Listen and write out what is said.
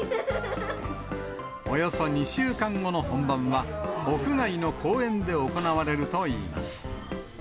およそ２週間後の本番は、屋外の公園で行われるといいます。